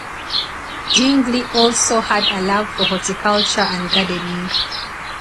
Dingley also had a love for horticulture and gardening.